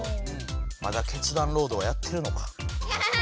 まだ「決断ロード」はやってるのか。